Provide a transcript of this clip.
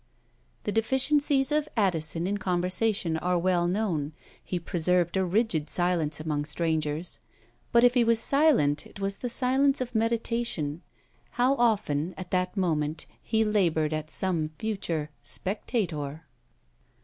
The deficiencies of Addison in conversation are well known. He preserved a rigid silence amongst strangers; but if he was silent, it was the silence of meditation. How often, at that moment, he laboured at some future Spectator!